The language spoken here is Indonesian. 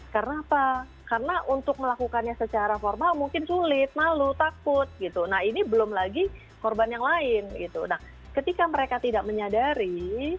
karena apa karena untuk melakukannya secara formal mungkin sulit malu takut gitu nah ini belum lagi korban yang lain itu ketika mereka tidak menyadari